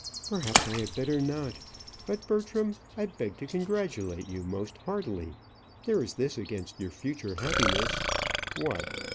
"Perhaps I had better not. But, Bertram, I beg to congratulate you most heartily. There is this against your future happiness " "What?"